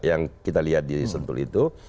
yang kita lihat di sampel itu